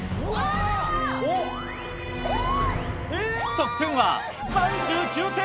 得点は３９点！